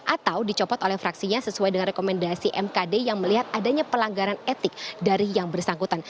atau dicopot oleh fraksinya sesuai dengan rekomendasi mkd yang melihat adanya pelanggaran etik dari yang bersangkutan